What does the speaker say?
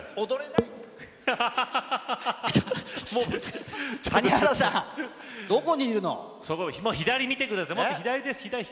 もっと左を見てください。